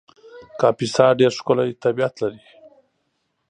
کاپیسا ډېر ښکلی طبیعت لري